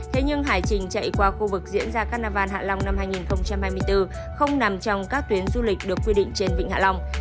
thế nhưng hải trình chạy qua khu vực diễn ra carnival hạ long năm hai nghìn hai mươi bốn không nằm trong các tuyến du lịch được quy định trên vịnh hạ long